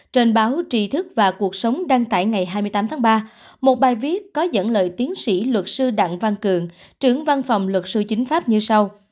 trên báo trí thức và cuộc sống đăng tải ngày hai mươi tám tháng ba một bài viết có dẫn lời tiến sĩ luật sư đặng văn cường trưởng văn phòng luật sư chính pháp như sau